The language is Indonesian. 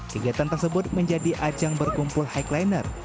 kegiatan tersebut menjadi ajang berkumpul higliner